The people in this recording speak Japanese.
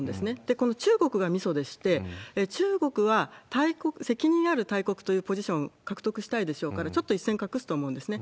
この中国がみそでして、中国は、責任ある大国というポジションを獲得したいでしょうから、ちょっと一線画すと思うんですね。